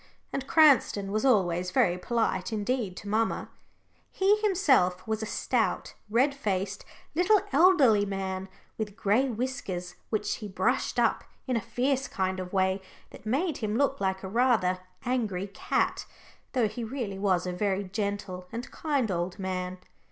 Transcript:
And Cranston was always very polite indeed to mamma. He himself was a stout, red faced, little, elderly man, with gray whiskers, which he brushed up in a fierce kind of way that made him look like a rather angry cat, though he really was a very gentle and kind old man.